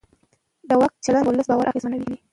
د واک چلند د ولس باور اغېزمنوي